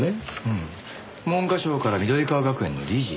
うん文科省から緑川学園の理事？